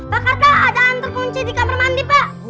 pak karta ada antre kunci di kamar mandi pak